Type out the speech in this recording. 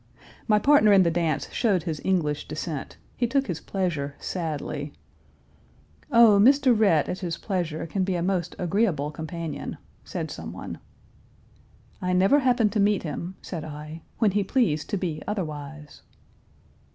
My partner in the dance showed his English descent; he took his pleasure sadly. "Oh, Mr. Rhett, at his pleasure, can be a most agreeable companion!" said someone. "I never happened to meet him," said I, "when he pleased to be otherwise."